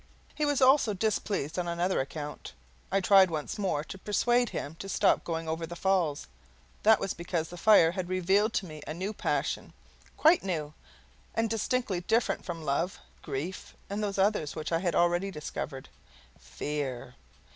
He was also displeased on another account: I tried once more to persuade him to stop going over the Falls. That was because the fire had revealed to me a new passion quite new, and distinctly different from love, grief, and those others which I had already discovered FEAR.